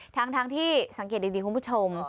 ทั้งที่สังเกตดีคุณผู้ชม